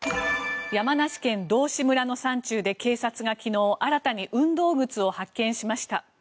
山梨県道志村の山中で警察が昨日、新たに運動靴を発見しました。